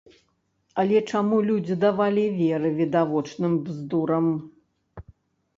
Але чаму людзі давалі веры відавочным бздурам?